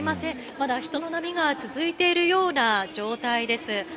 まだ人の波が続いているような状態です。